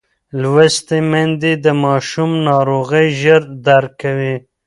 لوستې میندې د ماشوم ناروغۍ ژر درک کوي.